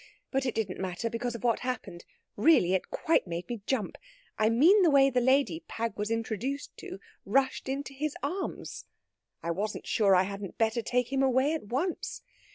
But it didn't matter, because of what happened. Really, it quite made me jump I mean the way the lady Pag was introduced to rushed into his arms. I wasn't sure I hadn't better take him away at once.